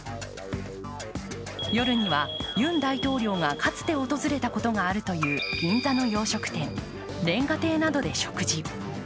夜にはユン大統領が、かつて訪れたことがあるという銀座の洋食店、煉瓦亭などで食事。